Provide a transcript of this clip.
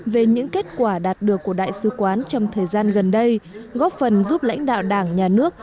về những kết quả đạt được của đại sứ quán trong thời gian gần đây góp phần giúp lãnh đạo đảng nhà nước